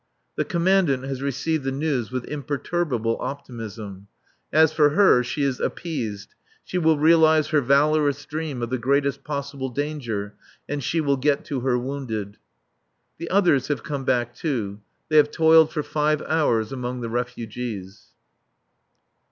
The Commandant has received the news with imperturbable optimism. As for her, she is appeased. She will realize her valorous dream of "the greatest possible danger;" and she will get to her wounded. The others have come back too. They have toiled for five hours among the refugees.